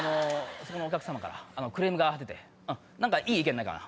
そのお客様からクレームが出て何かいい意見ないかな？